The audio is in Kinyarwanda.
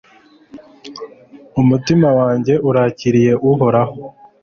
umutima wanjye urarikiye uhoraho